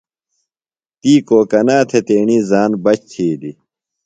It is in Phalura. تی کوکنا تھےۡ تیݨی زان بچ تِھیلیۡ۔